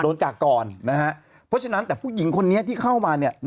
กากก่อนนะฮะเพราะฉะนั้นแต่ผู้หญิงคนนี้ที่เข้ามาเนี่ย